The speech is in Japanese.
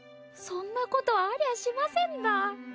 そんなことはありゃしませんだ。